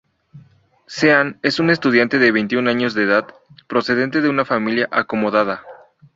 Sean es un estudiante de veintiún años de edad, procedente de una familia acomodada.